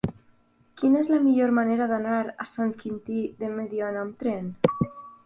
Quina és la millor manera d'anar a Sant Quintí de Mediona amb tren?